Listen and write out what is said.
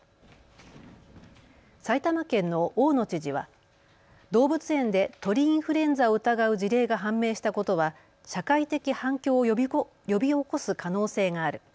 埼玉県の大野知事は動物園で鳥インフルエンザを疑う事例が判明したことは社会的反響を呼び起こす可能性がある。